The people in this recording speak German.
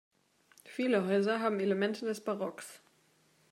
Viele Häuser haben Elemente des Barocks.